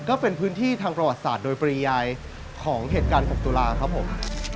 ก็เป็นพื้นที่ทางประวัติศาสตร์โดยปริยายของเหตุการณ์๖ตุลาครับผม